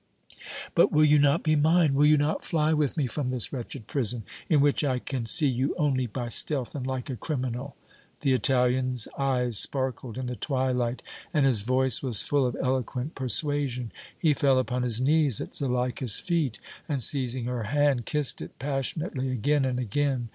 "But will you not be mine, will you not fly with me from this wretched prison, in which I can see you only by stealth and like a criminal?" The Italian's eyes sparkled in the twilight and his voice was full of eloquent persuasion. He fell upon his knees at Zuleika's feet, and, seizing her hand, kissed it passionately again and again.